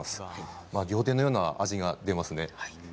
料亭のような味が出ます。